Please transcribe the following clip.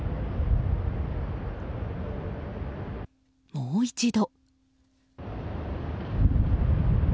もう一度。